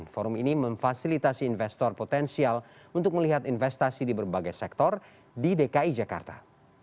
forum ini memfasilitasi investor potensial untuk melihat investasi di berbagai sektor di dki jakarta